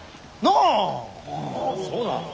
ああそうだ。